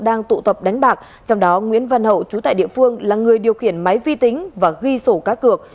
đang tụ tập đánh bạc trong đó nguyễn văn hậu chú tại địa phương là người điều khiển máy vi tính và ghi sổ cá cược